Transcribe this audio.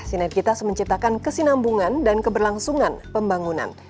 sinergitas menciptakan kesinambungan dan keberlangsungan pembangunan